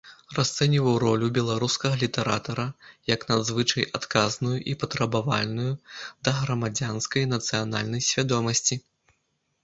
Расцэньваў ролю беларускага літаратара як надзвычай адказную і патрабавальную да грамадзянскай і нацыянальнай свядомасці.